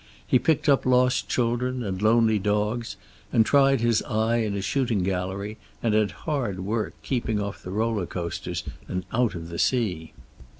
He picked up lost children and lonely dogs, and tried his eye in a shooting gallery, and had hard work keeping off the roller coasters and out of the sea.